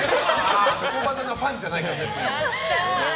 チョコバナナファンじゃないから、別に。